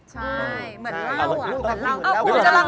ไทรเตอร์พี่หนุ่มเหมือนเหล้า